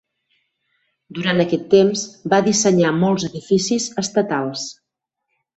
Durant aquest temps, va dissenyar molts edificis estatals.